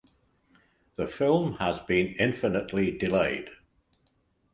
The film has been infinitely delayed.